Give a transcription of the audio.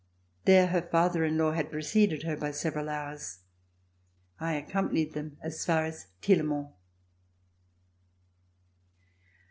There her father in law had preceded her by several hours. I accompanied them as far as Tirlemont.